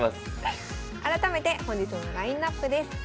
改めて本日のラインナップです。